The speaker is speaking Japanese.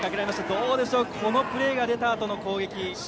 どうでしょうこのプレーが出たあとの攻撃。